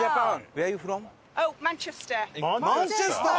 マンチェスター！